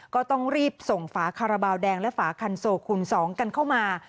ก็ต้องรีบส่งฝาคาราบาลแดงและฝาคันโซคูณ๒กันเข้ามา